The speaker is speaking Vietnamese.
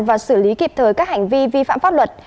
và xử lý kịp thời các hành vi vi phạm pháp luật